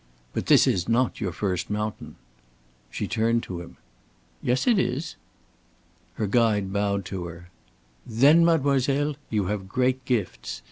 "But this is not your first mountain." She turned to him. "Yes, it is." Her guide bowed to her. "Then, mademoiselle, you have great gifts.